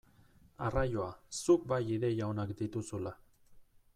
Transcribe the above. Arraioa, zuk bai ideia onak dituzula!